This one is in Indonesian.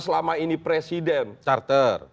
selama ini presiden charter